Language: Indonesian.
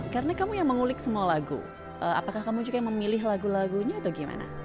karena kamu yang mengulik semua lagu apakah kamu juga memilih lagu lagunya atau gimana